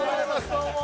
どうも。